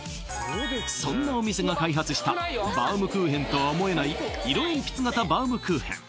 そんなお店が開発したバウムクーヘンとは思えない色えんぴつ型バウムクーヘン